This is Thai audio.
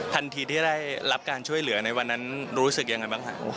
ทันทีที่ได้รับการช่วยเหลือในวันนั้นรู้สึกยังไงบ้างครับ